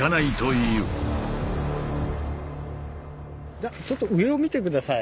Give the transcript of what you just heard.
じゃちょっと上を見て下さい。